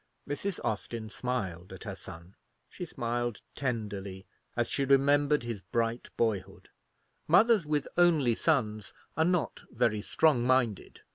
Mrs. Austin smiled at her son; she smiled tenderly as she remembered his bright boyhood. Mothers with only sons are not very strong minded.